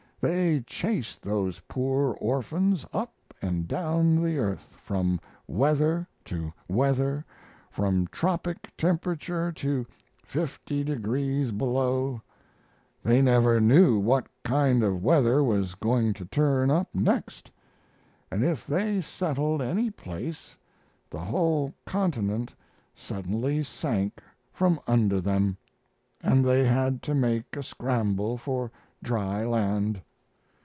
They chased those poor orphans up and down the earth, from weather to weather, from tropic temperature to fifty degrees below. They never knew what kind of weather was going to turn up next, and if they settled any place the whole continent suddenly sank from under them, and they had to make a scramble for dry land.